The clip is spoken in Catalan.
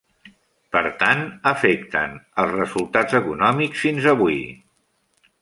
Per tant, afecten els resultats econòmics fins avui.